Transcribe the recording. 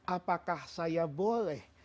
apakah saya boleh